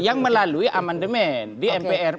yang melalui amandemen di mpr